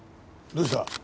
どうした？